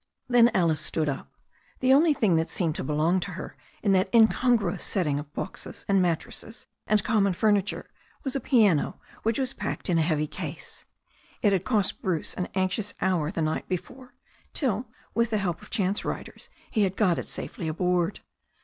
Then Alice stood up. The only thing that seemed to belong to her, in that incongruous setting of boxes and mat tresses and common furniture, was a piano which was packed in a heavy case. It had cost Bruce an anxious hour the night before, till with the help of chance riders he had got it safely aboard.